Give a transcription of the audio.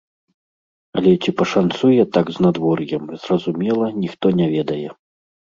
Але ці пашанцуе так з надвор'ем, зразумела, ніхто не ведае.